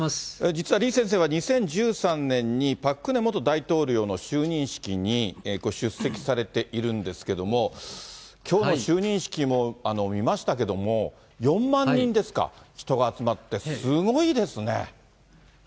実は李先生は２０１３年に、パク・クネ元大統領の就任式にご出席されているんですけれども、きょうの就任式も見ましたけども、４万人ですか、人が集まって、すごいですね。